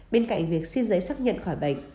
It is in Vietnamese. bên cạnh việc xin giấy xác nhận khỏi bệnh